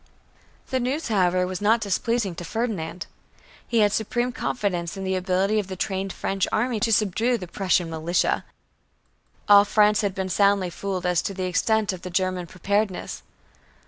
The news, however, was not displeasing to Ferdinand. He had supreme confidence in the ability of the trained French army to subdue the "Prussian militia." All France had been soundly fooled as to the extent of the German preparedness.